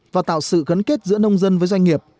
và tạo sự gắn kết giữa nông dân với doanh nghiệp